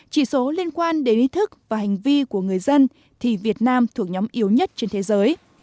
chỉ số liên quan đến ý thức và hành vi của người dân thì việt nam thuộc nhóm yếu nhất trên thế giới